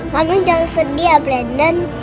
kamu jangan sedih ya brandon